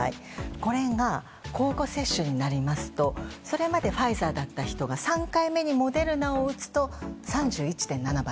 これが交互接種になりますとそれまでファイザーだった人が３回目にモデルナを打つと３１．７倍。